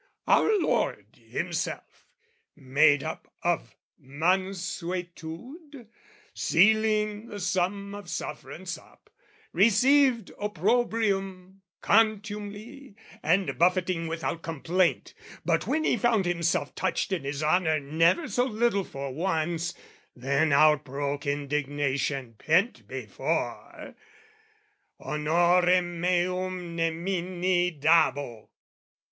Our Lord Himself, made up of mansuetude, Sealing the sum of sufferance up, received Opprobrium, contumely, and buffeting Without complaint: but when He found Himself Touched in His honour never so little for once, Then outbroke indignation pent before "Honorem meum nemini dabo!"